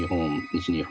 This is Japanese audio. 西日本